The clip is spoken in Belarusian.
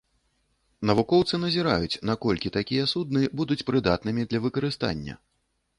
Навукоўцы назіраюць, наколькі такія судны будуць прыдатнымі для выкарыстання.